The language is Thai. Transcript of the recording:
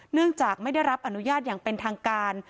เนื่องจากไม่ได้รับอนุญาตอย่างเป็นทางการ